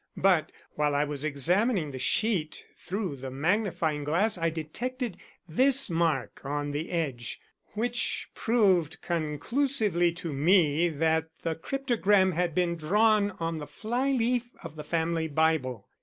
But while I was examining the sheet through the magnifying glass I detected this mark on the edge, which proved conclusively to me that the cryptogram had been drawn on the fly leaf of the family Bible.